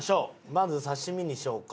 まず刺身にしようか。